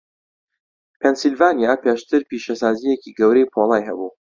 پێنسیلڤانیا پێشتر پیشەسازییەکی گەورەی پۆڵای هەبوو.